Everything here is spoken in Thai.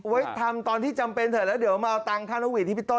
ไว้ทำตอนที่จำเป็นเถอะแล้วเดี๋ยวมาเอาตังค่านกหวีดให้พี่ต้น